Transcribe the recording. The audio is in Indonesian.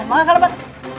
cik ida mana kalau pak